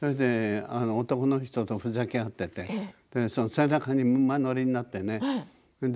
男の人とふざけ合っていて背中に馬乗りになってね。